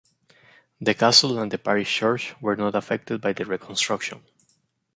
The castle and the parish church were not affected by the reconstruction.